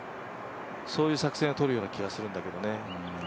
そういう作戦をとるような気がするんだけどね。